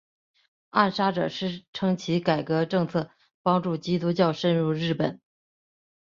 暗杀者称其改革政策帮助基督教渗入日本。